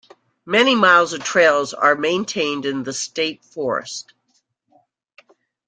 Many miles of Trails are maintained in the State Forest.